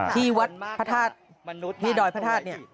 ที่วัดพระธาตุที่ดอยพระธาตุเนี่ย